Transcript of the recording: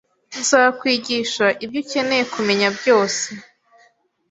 Nzakwigisha ibyo ukeneye kumenya byose